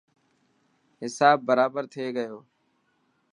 هساب برابر ٿي گيو.